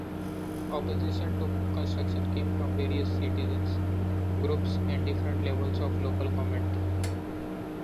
Opposition to construction came from various citizens' groups and different levels of local government.